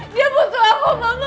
dia butuh aku mama